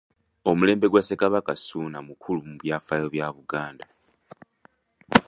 Omulembe gwa Ssekabaka Ssuuna mukulu mu byafaayo bya Buganda.